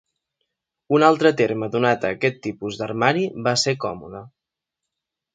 Un altre terme donat a aquest tipus d'armari va ser còmoda.